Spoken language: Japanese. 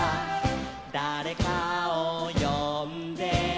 「だれかをよんで」